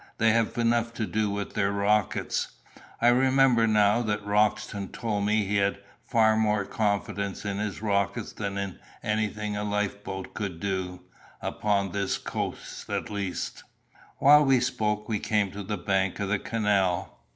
They have enough to do with their rockets." "I remember now that Roxton told me he had far more confidence in his rockets than in anything a life boat could do, upon this coast at least." While we spoke we came to the bank of the canal.